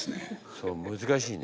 そう難しいね。